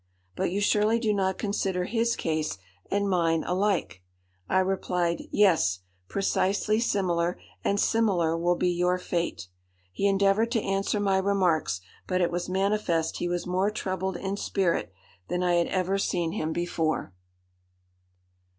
But you surely do not consider his case and mine alike?' I replied, 'Yes, precisely similar, and similar will be your fate.' He endeavoured to answer my remarks, but it was manifest he was more troubled in spirit than I had ever seen him before.